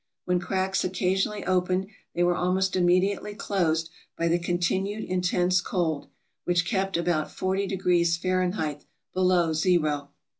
When cracks occasionally opened they were almost immediately closed by the continued intense cold, which kept about 400 F., below zero.